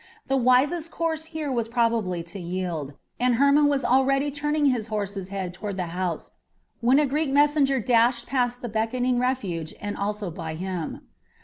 The wisest course here was probably to yield, and Hermon was already turning his horse's head toward the house when a Greek messenger dashed past the beckoning refuge and also by him.